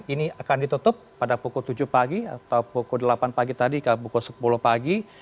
ini akan ditutup pada pukul tujuh pagi atau pukul delapan pagi tadi ke pukul sepuluh pagi